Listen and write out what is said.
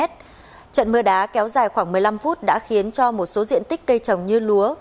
trận mưa đá kéo dài khoảng một mươi năm phút đã khiến cho một số diện tích cây trồng như lúa